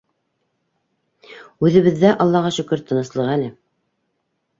Үҙебеҙҙә, аллаға шөкөр, тыныслыҡ әле.